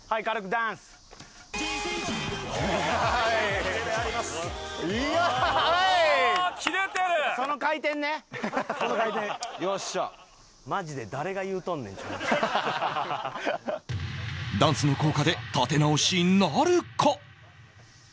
ダンスの効果で立て直しなるか？